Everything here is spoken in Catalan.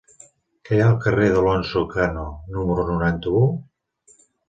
Què hi ha al carrer d'Alonso Cano número noranta-u?